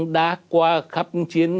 đã qua khắp chiến đấu